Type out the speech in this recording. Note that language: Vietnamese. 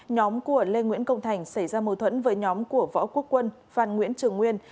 nhóm của lê nguyễn công thành xảy ra mâu thuẫn với nhóm của võ quốc quân phan nguyễn trường nguyên